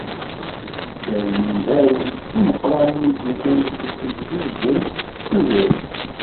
Gar yindaren imeqqran i d-yellan di Tizi Uzzu, Bgayet d Tuniret.